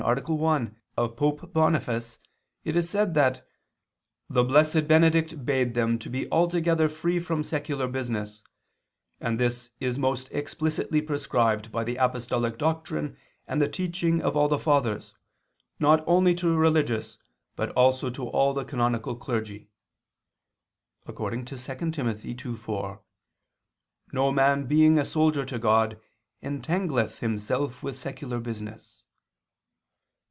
1) of Pope Boniface it is said that the "Blessed Benedict bade them to be altogether free from secular business; and this is most explicitly prescribed by the apostolic doctrine and the teaching of all the Fathers, not only to religious, but also to all the canonical clergy," according to 2 Tim. 2:4, "No man being a soldier to God, entangleth himself with secular business."